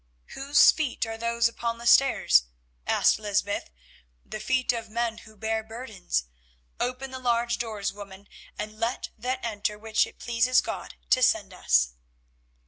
"Whose feet are those upon the stairs?" asked Lysbeth, "the feet of men who bear burdens. Open the large doors, woman, and let that enter which it pleases God to send us."